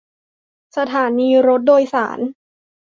สถานีรถโดยสาร